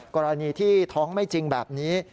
กรณีที่ท้องไม่จริงแบบนี้